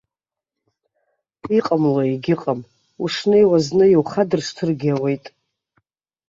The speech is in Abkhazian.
Иҟамло егьыҟам, ушнеиуа зны, иухадыршҭыргьы ауеит.